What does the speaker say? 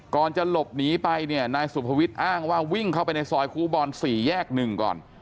ก่อนจะหลบหนีไปเนี่ยนายสุภวิทย์อ้างว่าวิ่งเข้าไปในซอยครูบอล๔แยก๑ก่อน